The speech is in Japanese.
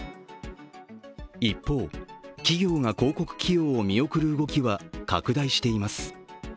一方、企業が広告起用を見送る動きは拡大しています。